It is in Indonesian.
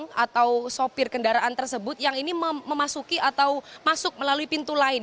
penumpang atau sopir kendaraan tersebut yang ini memasuki atau masuk melalui pintu lain